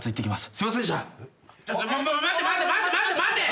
ちょっと待て待て！